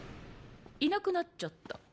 いなくなっちゃった。